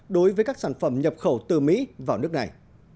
đối với các sản phẩm nhập khẩu từ mỹ vào nước này